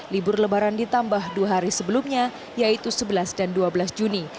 libur lebaran ditambah dua hari sebelumnya yaitu sebelas dan dua belas juni